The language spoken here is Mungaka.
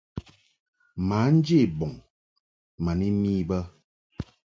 Mǎ nje bɔŋ ma ni mi bə.